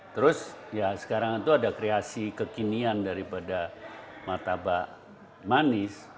terus ya sekarang itu ada kreasi kekinian daripada martabak manis